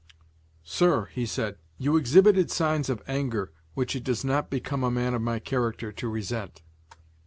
"Sir," he said, "you exhibited signs of anger which it does not become a man of my character to resent.